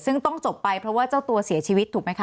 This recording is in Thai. ซึ่งต้องจบไปเพราะว่าเจ้าตัวเสียชีวิตถูกไหมคะ